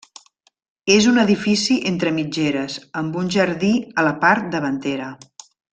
És un edifici entre mitgeres, amb un jardí a la part davantera.